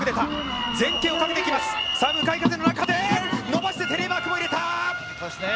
伸ばして、テレマークも入れた！